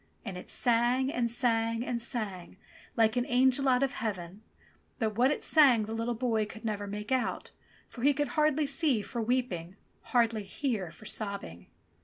And it sang and sang and sang hke an angel out of heaven ; but what it sang the httle boy could never make out, for he could hardly see for weeping, hardly hear for sobbing.